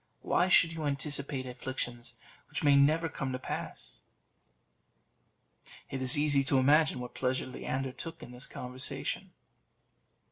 Why should you anticipate afflictions which may never come to pass?" It is easy to imagine what pleasure Leander took in this conversation.